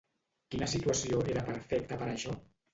Quina situació era perfecta per a això?